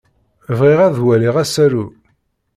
Bɣiɣ ad waliɣ asaru.